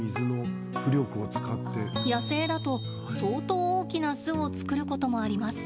野生だと相当大きな巣を作ることもあります。